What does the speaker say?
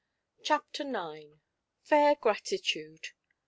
CHAPTEll IX. FAIR GRATITUDE.